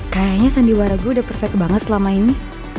kayaknya sandiwara gue udah perfect banget selama ini